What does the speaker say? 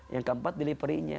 yang keempat delivery nya